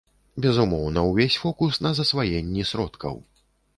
Безумоўна, увесь фокус на засваенні сродкаў.